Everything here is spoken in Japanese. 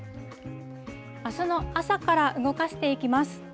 あすの朝から動かしていきます。